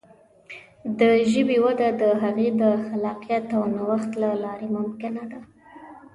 د ژبې وده د هغې د خلاقیت او نوښت له لارې ممکنه ده.